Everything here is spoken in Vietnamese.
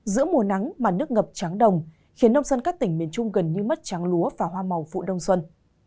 giữa mùa nắng mà nước ngập trắng đồng khiến nông dân các tỉnh miền trung gần như mất trắng lúa và hoa màu vụ đông xuân